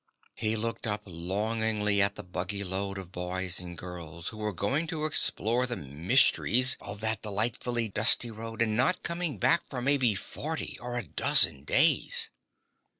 He looked up longingly at the buggy load of boys and girls who were going to explore the mysteries of that delightfully dusty road and not coming back for maybe forty or a dozen days.